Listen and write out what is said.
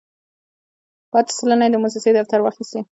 پاتې سلنه یې د موسسې دفتر واخیستې.